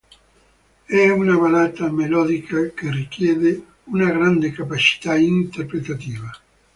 È una ballata melodica che richiede una grande capacità interpretativa.